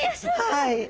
はい。